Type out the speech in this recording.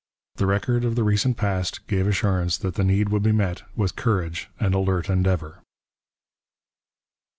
The record of the recent past gave assurance that the need would be met with courage and alert endeavour.